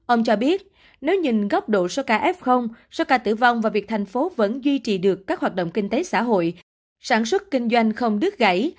ông cho biết nếu nhìn góc độ soka f soka tử vong và việc thành phố vẫn duy trì được các hoạt động kinh tế xã hội sản xuất kinh doanh không đứt gãy